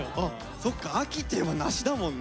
そっか秋っていえば梨だもんね。